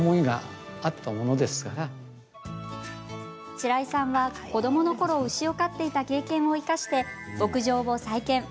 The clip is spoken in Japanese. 白井さんは、子どものころ牛を飼っていた経験を生かして牧場を再建。